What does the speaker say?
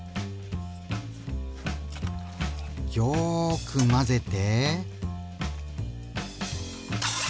よく混ぜて。